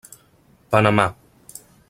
Panamà.